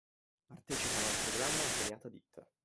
Partecipano al programma la Premiata Ditta.